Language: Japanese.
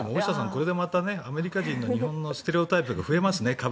これでアメリカの日本に対するステレオタイプがまた増えますね。